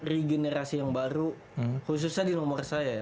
regenerasi yang baru khususnya di nomor saya